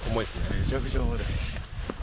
めちゃくちゃ重い。